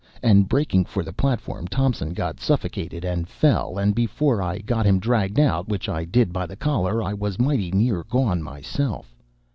And breaking for the platform, Thompson got suffocated and fell; and before I got him dragged out, which I did by the collar, I was mighty near gone myself.